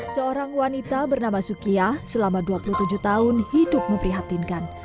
seorang wanita bernama sukiyah selama dua puluh tujuh tahun hidup memprihatinkan